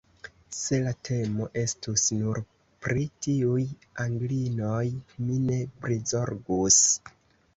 Se la temo estus nur pri tiuj Anglinoj, mi ne prizorgus.